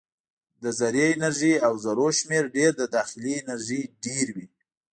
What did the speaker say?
د ذرې انرژي او ذرو شمیر ډېر د داخلي انرژي ډېروي.